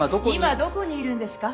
今どこにいるんですか？